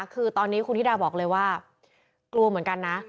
คือตอนนี้คุณธิดาบอกเลยว่ากลัวเหมือนกันนะ